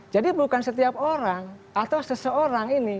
jadi bukan setiap orang atau seseorang ini